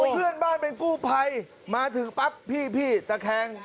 เพื่อนบ้านเป็นกู้ภัยมาถึงปั๊บพี่ตะแคง